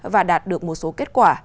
và đạt được một số kết quả